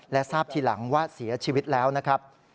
และทราบทีหลังว่าเสียชีวิตแล้วนะครับ